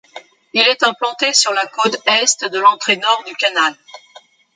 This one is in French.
Il est implanté sur la côte est de l'entrée nord du canal.